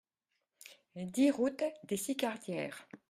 dix route des Sicardières